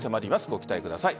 ご期待ください。